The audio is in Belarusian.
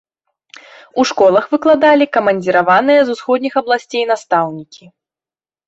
У школах выкладалі камандзіраваныя з усходніх абласцей настаўнікі.